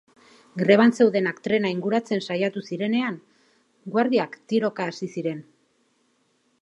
Greban zeudenak trena inguratzen saiatu zirenean, guardiak tiroka hasi ziren.